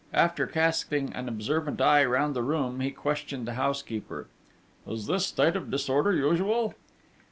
After casting an observant eye round the room he questioned the housekeeper: 'Is this state of disorder usual?'